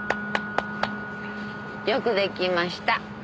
よく出来ました。